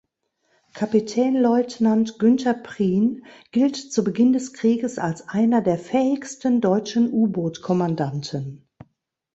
Kapitänleutnant Günther Prien gilt zu Beginn des Krieges als einer der fähigsten deutschen U-Boot-Kommandanten.